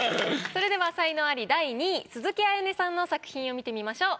それでは才能アリ第２位鈴木絢音さんの作品を見てみましょう。